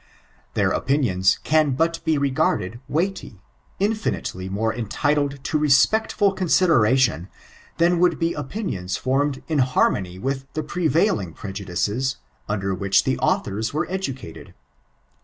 Their opinions can but be regarded weighty— infinitely more entitled to respectfal consideration than would be opinions formed in harmony with the prevailing prejudices under which the authora were educated.